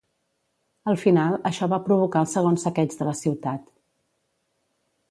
Al final, això va provocar el segon saqueig de la ciutat.